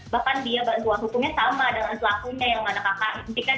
bahkan dia bantuan hukumnya sama dengan selakunya yang mana kakak impikan